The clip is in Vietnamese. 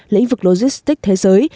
lĩnh vực logistic thế giới